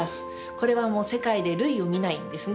これはもう世界で類を見ないですね